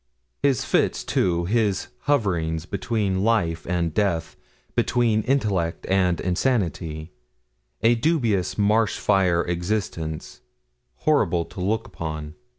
His fits, too his hoverings between life and death between intellect and insanity a dubious, marsh fire existence, horrible to look on!